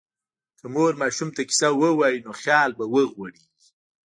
که مور ماشوم ته کیسه ووایي، نو خیال به وغوړېږي.